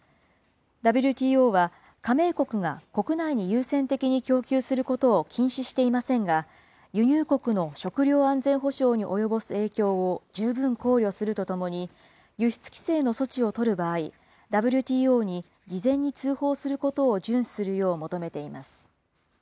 ＷＴＯは、加盟国が国内に優先的に供給することを禁止していませんが、輸入国の食料安全保障に及ぼす影響を十分考慮するとともに、輸出規制の措置を取る場合、ＷＴＯに事前に通報することを順守するよう求めています。